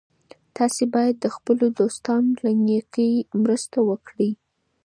تاسي باید د خپلو دوستانو له نېکۍ مننه وکړئ.